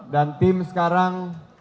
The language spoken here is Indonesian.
dan tim sekarang